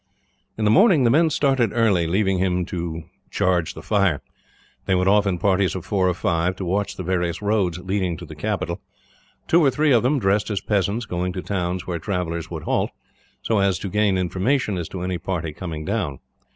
In the morning the men started early, leaving him in charge of the fire. They went off in parties of four or five, to watch the various roads leading to the capital; two or three of them, dressed as peasants, going to towns where travellers would halt, so as to gain information as to any party coming down.